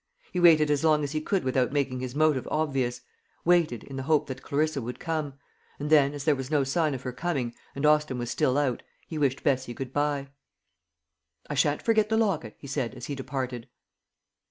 He waited as long as he could without making his motive obvious; waited, in the hope that Clarissa would come; and then, as there was no sign of her coming, and Austin was still out, he wished Bessie good bye. "I shan't forget the locket," he said, as he departed.